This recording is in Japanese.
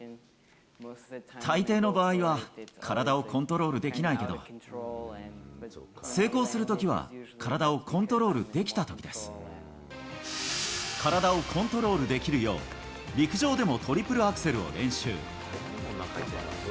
大抵の場合は、体をコントロールできないけど、成功するときは、体をコントロールできるよう、陸上でもトリプルアクセルを練習。